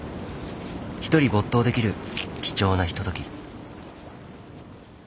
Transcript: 一人没頭できる貴重なひととき。